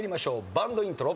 バンドイントロ。